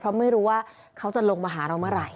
เพราะไม่รู้ว่าเขาจะลงมาหาเราเมื่อไหร่